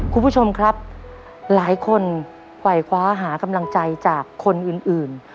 คุณผู้ชมครับหลายคนไหวคว้าหากำลังใจจากคนอื่น